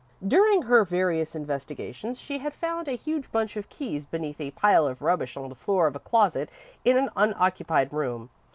During her various investigations, she had found a huge bunch of keys beneath a pile of rubbish on the floor of a closet in an unoccupied room.